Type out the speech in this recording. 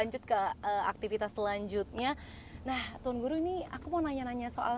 nah tuan guru ini aku mau nanya nanya soal